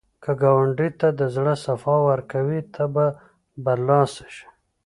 که ګاونډي ته د زړه صفا ورکړې، ته به برلاسی شې